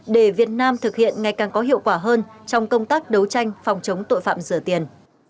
để việt nam thực hiện ngày càng có hiệu quả hơn trong công tác đấu tranh phòng chống tội phạm rửa tiền